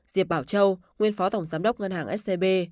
diệp bảo châu nguyên phó tổng giám đốc ngân hàng scb